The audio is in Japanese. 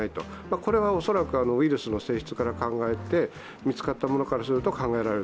これは恐らくウイルスの性質から考えて、見つかったものからすると考えられる。